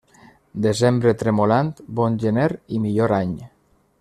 Desembre tremolant, bon gener i millor any.